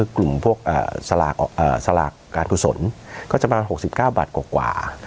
กลุ่มพวกสลากการกุศลก็จะประมาณ๖๙บาทกว่า